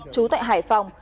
chú tại hải phòng